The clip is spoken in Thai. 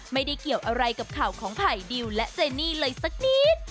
ไม่ได้เกี่ยวอะไรกับข่าวของไผ่ดิวและเจนี่เลยสักนิด